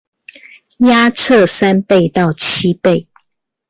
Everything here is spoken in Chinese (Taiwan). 壓測三倍到七倍